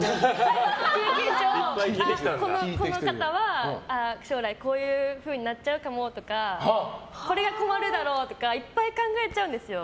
経験上、この方は将来こういうふうになっちゃうかもとかこれは困るだろうとかいっぱい考えちゃうんですよ。